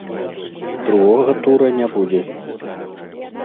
Другога тура не будзе.